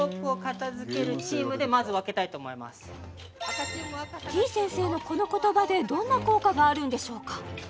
今日はてぃ先生のこの言葉でどんな効果があるんでしょうか？